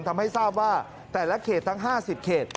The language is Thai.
ทำให้ทราบว่าแต่ละเขตทั้ง๕๐เขต